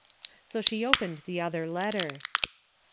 So she opened the other letter.